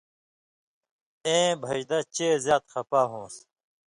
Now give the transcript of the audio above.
ایں بھژدہ چے زیات خپا ہون٘س۔